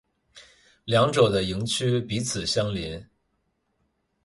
两者的营区彼此相邻。